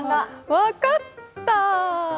分かった！